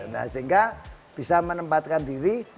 nah sehingga bisa menempatkan diri